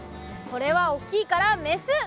これはおっきいからメス！